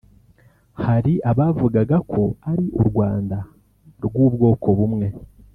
Hari abavugaga ko ari u Rwanda rw’ubwoko bumwe